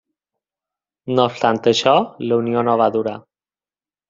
No obstant això, la unió no va durar.